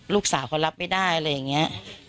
ลูกสาวเขารับไม่ได้อะไรอย่างนี้